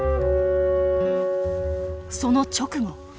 その直後。